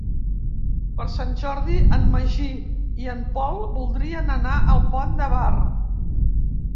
Per Sant Jordi en Magí i en Pol voldrien anar al Pont de Bar.